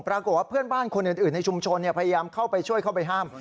ปรากฏว่าเพื่อนบ้านคนอื่นในชุมชนพยายามเข้าไปช่วยเข้าไปห้าม